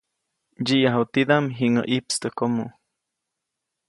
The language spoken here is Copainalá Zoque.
Ndsyiʼyaju tidaʼm jiŋäʼ ʼiʼpstäjkomo.